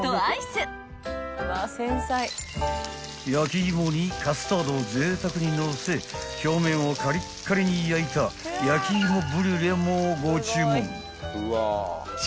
［焼き芋にカスタードをぜいたくにのせ表面をカリッカリに焼いた焼き芋ブリュレもご注文］